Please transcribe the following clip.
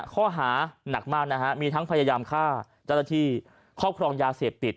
ข้อหาหนักมากมีทั้งพยายามฆ่าจรฐีครอบครองยาเสพติด